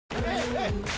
はい！